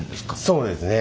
そうですね。